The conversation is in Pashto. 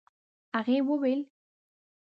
هغې وويل: